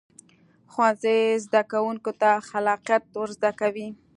ښوونځی زده کوونکو ته خلاقیت ورزده کوي